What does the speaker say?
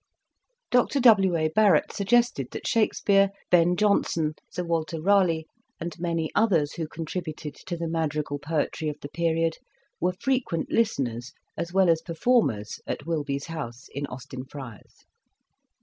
Dr W. A. Barrett suggested that Shake speare, Ben Jonson, Sir Walter Raleigh, and Introduction. many others who contributed to the madrigal poetry of the period, were frequent listeners as well as performers at Wilbye's house in Austin Friars.